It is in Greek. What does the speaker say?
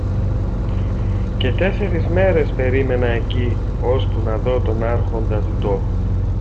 Και τέσσερεις μέρες περίμενα εκεί, ώσπου να δω τον Άρχοντα του τόπου.